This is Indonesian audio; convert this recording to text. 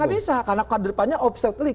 ya nggak bisa karena kan depannya obstacle